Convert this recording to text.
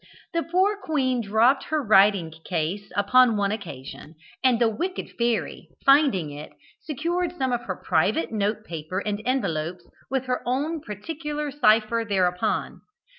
The poor queen dropped her writing case upon one occasion, and the wicked fairy, finding it, secured some of her private note paper and envelopes with her own particular cipher thereupon.